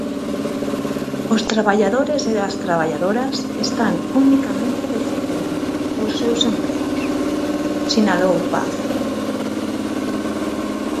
"Os traballadores e as traballadoras están unicamente defendendo os seus empregos", sinalou Paz.